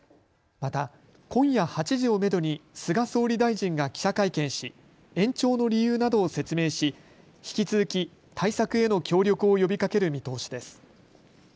また今夜８時をめどに菅総理大臣が記者会見し、延長の理由などを説明し引き続き対策への協力を呼びかける見通しです。